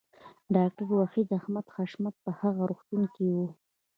ډاکټر وحید احمد حشمتی په هغه روغتون کې و